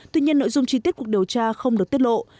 tuy nhiên nội dung chi tiết cuộc điều tra không được tiết lộ